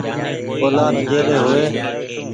اولآد جي ري هووي ۔